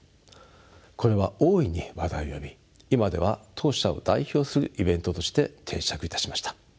これは大いに話題を呼び今では当社を代表するイベントとして定着いたしました。